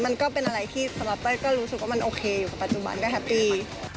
มันก็เป็นอะไรที่สำหรับเต้ยก็รู้สึกว่ามันโอเคอยู่กับปัจจุบันก็แฮปปี้